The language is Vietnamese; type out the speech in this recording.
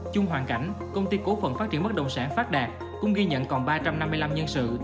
chung hoàn cảnh công ty cổ phận phát triển mất đồng sản phát đạt cũng ghi nhận còn ba trăm năm mươi năm nhân sự